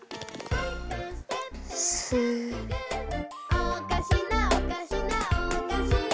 「おかしなおかしなおかし」